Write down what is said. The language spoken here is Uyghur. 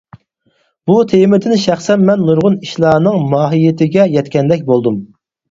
بۇ تېمىدىن شەخسەن مەن نۇرغۇن ئىشلارنىڭ ماھىيىتىگە يەتكەندەك بولدۇم.